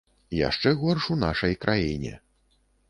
Яшчэ горш у нашай краіне.